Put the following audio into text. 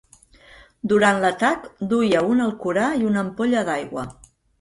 Durant l'atac, duia un Alcorà i una ampolla d'aigua.